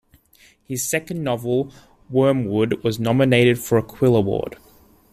His second novel, "Wormwood", was nominated for a Quill Award.